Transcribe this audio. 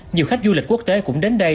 nhiều khách du lịch quốc tế cũng đến đây